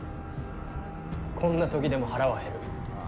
こんな時でも腹は減る。